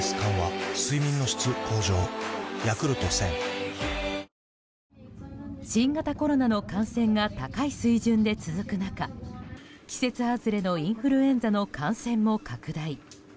ハイクラスカードはダイナースクラブ新型コロナの感染が高い水準で続く中季節外れのインフルエンザの感染も拡大。